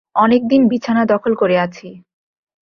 অনেকদিন বিছানা দখল করে আছি।